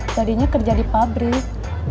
jadinya kerja di pabrik